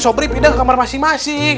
sobri pindah ke kamar masing masing